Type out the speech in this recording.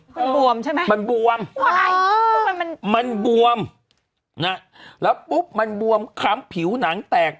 มันบวมใช่มั้ยมันเปล่าไม่มันบวมแล้วปุ๊บมันบวมครั้งผิวหนังแตก